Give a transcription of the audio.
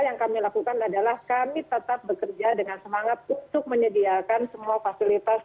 yang kami lakukan adalah kami tetap bekerja dengan semangat untuk menyediakan semua fasilitas